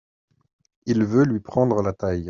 Il veut lui prendre la taille.